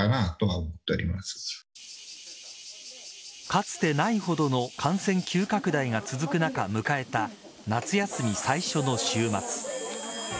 かつてないほどの感染急拡大が続く中、迎えた夏休み最初の週末。